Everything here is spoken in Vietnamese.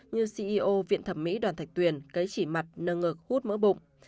như ceo viện thẩm mỹ đoàn thạch tuyền cấy chỉ mặt nâng ngực hút mỡ bụng